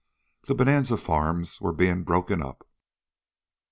The bonanza farms were being broken up.